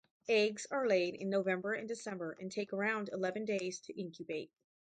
Eggs are laid in November and December and take around eleven days to incubate.